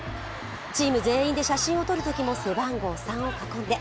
チーム全員で写真を撮るときも背番号３を囲んで。